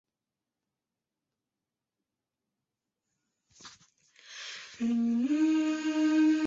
这使得巴哈伊理解的吉卜利勒启示给法蒂玛的内容和什叶派理解的存在冲突。